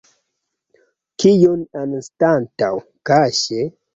Kion anstataŭ kaŝe?